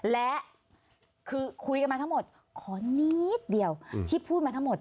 และคือคุยกันมาทั้งหมดขอนิดเดียวที่พูดมาทั้งหมด